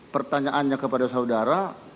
pertanyaannya kepada saudara